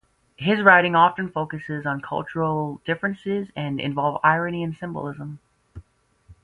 His writing often focuses on cultural differences and involve irony and symbolism.